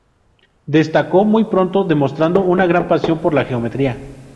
Destacó muy pronto, demostrando una gran pasión por la geometría.